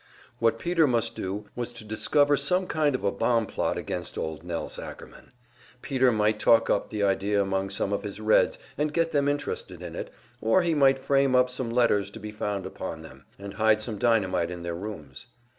What Peter must do was to discover some kind of a bomb plot against old "Nelse" Ackerman. Peter might talk up the idea among some of his Reds and get them interested in it, or he might frame up some letters to be found upon them, and hide some dynamite in their rooms.